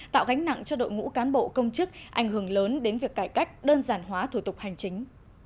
tạo gánh nặng cho đội ngũ cán bộ công chức ảnh hưởng lớn đến việc cải cách đơn giản hóa thủ tục hành chính